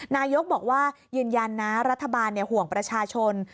นายกบอกว่ายืนยันนะรัฐบาลห่วงประชาชน